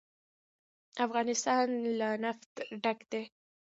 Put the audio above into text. افغانستان له نفت ډک دی.